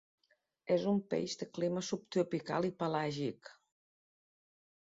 És un peix de clima subtropical i pelàgic.